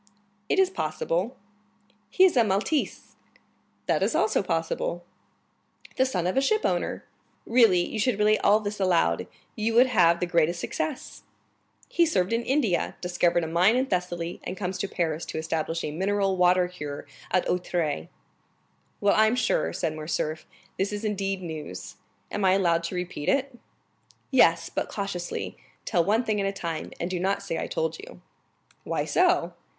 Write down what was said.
"It is possible." "He is a Maltese." "That is also possible. "The son of a shipowner." "Really, you should relate all this aloud, you would have the greatest success." "He served in India, discovered a mine in Thessaly, and comes to Paris to establish a mineral water cure at Auteuil." "Well, I'm sure," said Morcerf, "this is indeed news! Am I allowed to repeat it?" "Yes, but cautiously, tell one thing at a time, and do not say I told you." "Why so?"